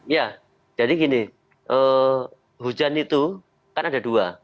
ya jadi gini hujan itu kan ada dua